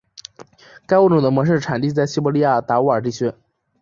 该物种的模式产地在西伯利亚达乌尔地区。